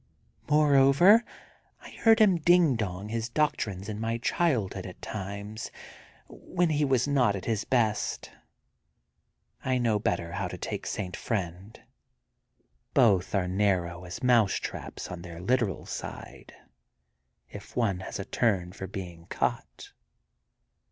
Moreover, I heard him ding dong his doctrines in my childhood at times when he was not at his best. I know better how to take St. Friend. Both are nar row as mousetraps on their literal side, if one has a turn for being caught.